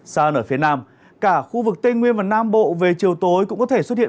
xa nở phía nam cả khu vực tây nguyên và nam bộ về chiều tối cũng có thể xuất hiện